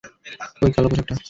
ওই কালো পোশাকটা।